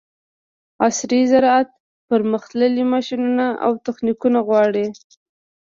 عصري زراعت پرمختللي ماشینونه او تخنیکونه غواړي.